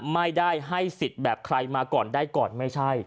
ไม่ได้ให้สิทธิ์แบบใครมาก่อนได้ก่อนไม่ใช่